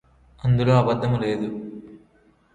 అందులో అబద్ధము లేదు